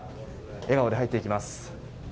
笑顔で入っていきます。